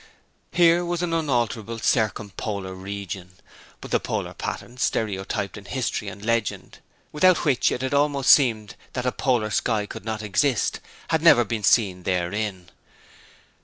Here was an unalterable circumpolar region; but the polar patterns stereotyped in history and legend without which it had almost seemed that a polar sky could not exist had never been seen therein.